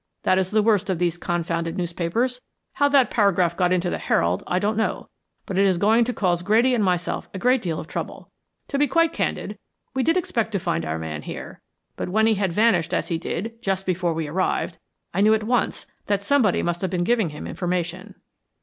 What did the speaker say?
That is the worst of these confounded newspapers. How that paragraph got into the Herald, I don't know, but it is going to cause Grady and myself a great deal of trouble. To be quite candid, we did expect to find our man here, but when he had vanished as he did, just before we arrived, I knew at once that somebody must have been giving him information."